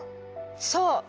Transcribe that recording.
そう！